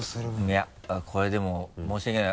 いやこれでも申し訳ない。